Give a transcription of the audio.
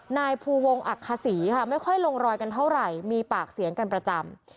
นายภูวงอักษีค่ะไม่ค่อยลงรอยกันเท่าไหร่มีปากเสียงกันประจำ